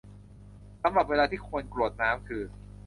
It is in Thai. สำหรับเวลาที่ควรกรวดน้ำคือ